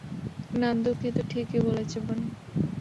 নান্দু কিন্তু ঠিকই বলেছে, বনি।